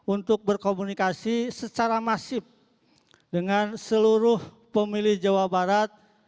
untuk berkomunikasi secara masif dengan seluruh pemilih jawa barat